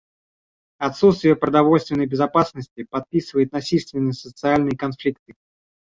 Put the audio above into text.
Отсутствие продовольственной безопасности подпитывает насильственные социальные конфликты.